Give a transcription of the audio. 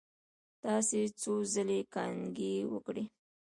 تاسو څو ځلې کانګې وکړې؟